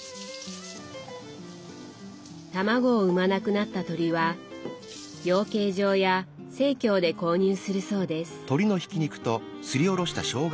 卵を産まなくなった鶏は養鶏場や生協で購入するそうです。